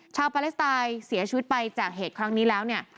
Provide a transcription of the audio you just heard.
ปาเลสไตน์เสียชีวิตไปจากเหตุครั้งนี้แล้วเนี่ย